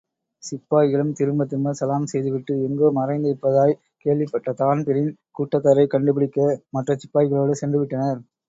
சிப்பாய்களும் திரும்பத் திரும்ப சலாம் செய்து விட்டு எங்கோ மறைந்திருப்பதாய்க் கேள்விப்பட்டதான் பிரீன் கூட்டத்தாரைக்கண்டு பிடிக்க மற்றச்சிப்பாய்களோடு சென்றுவிட்டனர்!